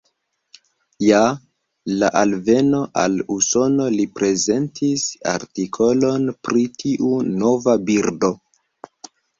Je la alveno al Usono li prezentis artikolon pri tiu nova birdo.